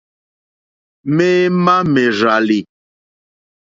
Méémà mèrzàlì.